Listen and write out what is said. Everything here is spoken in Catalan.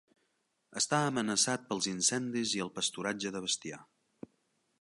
Està amenaçat pels incendis i el pasturatge de bestiar.